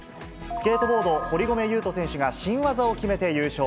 スケートボード、堀米雄斗選手が新技を決めて優勝。